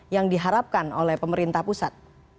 yang diharapkan oleh pemerintah pusat